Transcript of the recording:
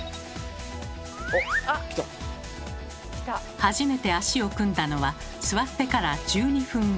初めて足を組んだのは座ってから１２分後。